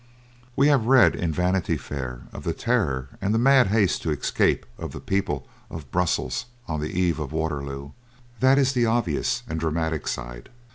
We have read, in "Vanity Fair," of the terror and the mad haste to escape of the people of Brussels on the eve of Waterloo. That is the obvious and dramatic side.